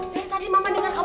dari tadi mama dengar kamu